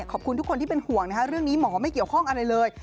ขอบคุณทุกคนที่เป็นห่วงนะคะเรื่องนี้หมอไม่เกี่ยวข้องอะไรเลย